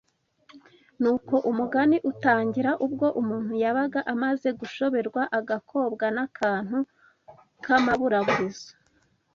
Nuko umugani utangira ubwo umuntu yaba amaze gushoberwa akagobokwa n’akantu k’amaburaburizo